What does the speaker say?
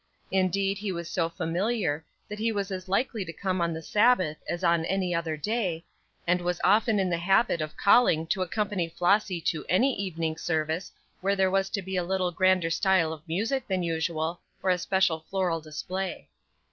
Indeed, he was so familiar that he was as likely to come on the Sabbath as on any other day, and was often in the habit of calling to accompany Flossy to any evening service where there was to be a little grander style of music than usual, or a special floral display.